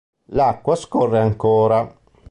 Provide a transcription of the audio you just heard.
L'acqua scorre ancora.